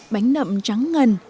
bánh nậm trắng ngần